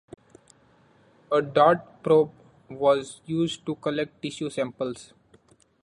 A dart probe was used to collect tissue samples.